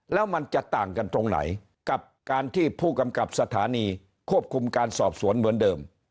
แล้วมันจะต่างกันตรงไหนกับการที่ผู้กำกับสถานีควบคุมการสอบสวนเหมือนเดิม